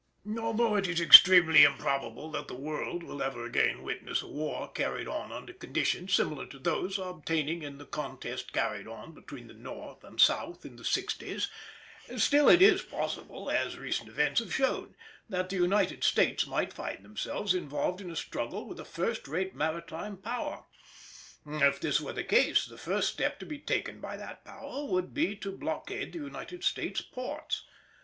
Although it is extremely improbable that the world will ever again witness a war carried on under conditions similar to those obtaining in the contest carried on between the North and South in the sixties, still it is possible, as recent events have shown, that the United States might find themselves involved in a struggle with a first rate maritime Power. If this were the case, the first step to be taken by that Power would be to blockade the United States ports.